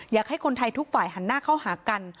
อยากให้คนไทยทุกฝ่ายหันหน้าเข้าหากัน